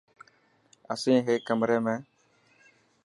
اسين هيڪ ڪمري ۾.